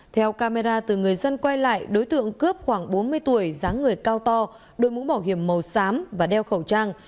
theo camera từ người dân quay lại đối tượng cướp khoảng bốn mươi tuổi dáng người cao to đôi mũ bảo hiểm màu xám và đeo khẩu trang